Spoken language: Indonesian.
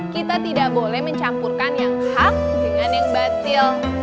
kita tidak boleh mencampurkan yang hak dengan yang batil